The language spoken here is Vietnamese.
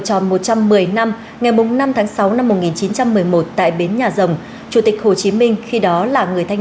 tròn một trăm một mươi năm ngày năm tháng sáu năm một nghìn chín trăm một mươi một tại bến nhà rồng chủ tịch hồ chí minh khi đó là người thanh